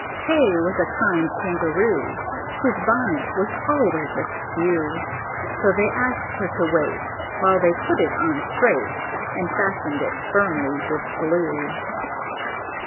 K was a kind Kangaroo, Whose bonnet was always askew; So they asked her to wait While they put it on straight And fastened it firmly with glue.